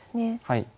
はい。